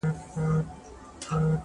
• بل فلسطین بله غزه دي کړمه,